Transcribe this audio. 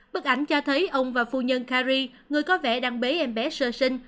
bức ảnh cho thấy ông và phụ nhân carrie người có vẻ đang bế em bé sơ sinh